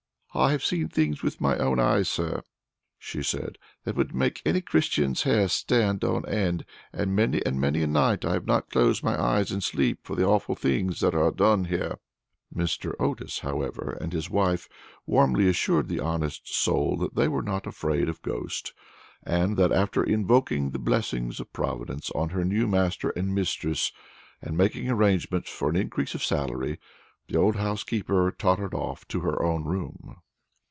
"I have seen things with my own eyes, sir," she said, "that would make any Christian's hair stand on end, and many and many a night I have not closed my eyes in sleep for the awful things that are done here." Mr. Otis, however, and his wife warmly assured the honest soul that they were not afraid of ghosts, and, after invoking the blessings of Providence on her new master and mistress, and making arrangements for an increase of salary, the old housekeeper tottered off to her own room.